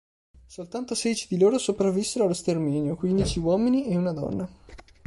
Soltanto sedici di loro sopravvissero allo sterminio, quindici uomini e una donna.